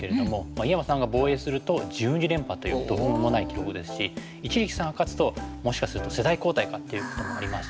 井山さんが防衛すると１２連覇という途方もない記録ですし一力さんが勝つともしかすると世代交代かっていうこともありますね。